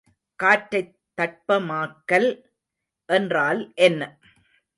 காற்றைத் தட்பமாக்கல் என்றால் என்ன?